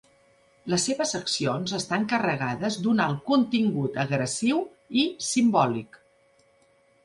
Les seves accions estan carregades d'un alt contingut agressiu i simbòlic.